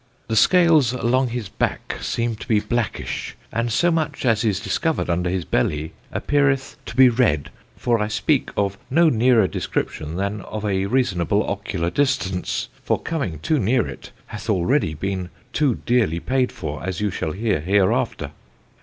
The scales along his backe seem to be blackish, and so much as is discovered under his bellie, appeareth to be red; for I speak of no nearer description than of a reasonable ocular distance. For coming too neare it, hath already beene too dearely payd for, as you shall heare hereafter.